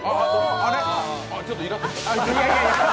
ちょっとイラッときた？